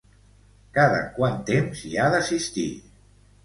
Cada quant temps hi ha d'assistir?